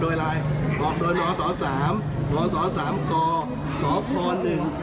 บรรพบรุษโคตรเหง้าของมึง